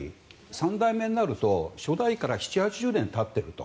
３代目になると初代から７０８０年たっていると。